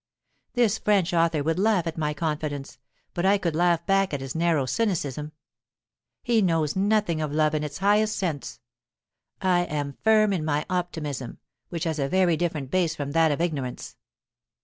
This French author would laugh at my confidence, but I could laugh back at his narrow cynicism. He knows nothing of love in its highest sense. I am firm in my optimism, which has a very different base from that of ignorance.